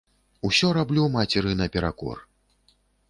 Усё раблю мацеры наперакор.